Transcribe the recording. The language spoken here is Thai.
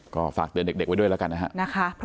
ก็ฝากเด็กไว้ด้วยแล้วกันนะฮะ